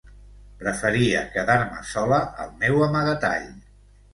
Preferia quedar-me sola, al meu amagatall.